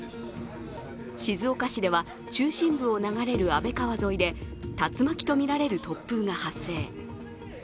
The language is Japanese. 静岡市では、中心部を流れる安倍川沿いで竜巻とみられる突風が発生。